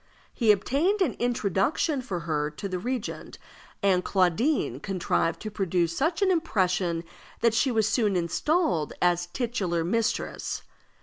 He obtained an introduction for her to the regent, and Claudine contrived to produce such an impression that she was soon installed as titular mistress.